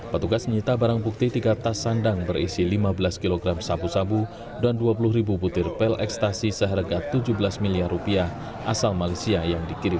petugas menyita barang bukti tiga tas sandang berisi lima belas kg sabu sabu dan dua puluh ribu butir pil ekstasi seharga tujuh belas miliar rupiah asal malaysia yang dikirimkan